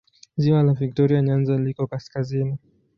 Ziwa la Viktoria Nyanza liko kaskazini.